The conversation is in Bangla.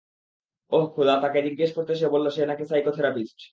ওহ খোদা তাকে জিজ্ঞেস করতে সে বললো সে নাকি সাইকোথেরাপিস্ট।